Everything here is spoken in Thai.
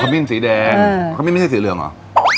มิ้นสีแดงขมิ้นไม่ใช่สีเหลืองเหรอ